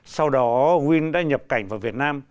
sau đó huyên đã nhập cảnh vào việt nam